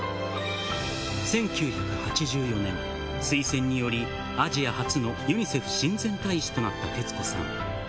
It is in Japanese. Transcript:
１９８４年、推薦により、アジア初のユニセフ親善大使となった徹子さん。